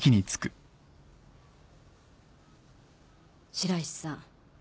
白石さん。